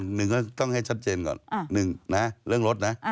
หนึ่งก็ต้องให้ชัดเจนก่อนหนึ่งนะเรื่องรถนะ